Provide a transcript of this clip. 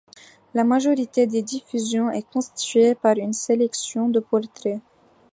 La majorité des diffusions est constituée par une sélection de portraits.